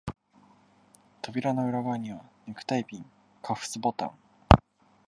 扉の裏側には、ネクタイピン、カフスボタン、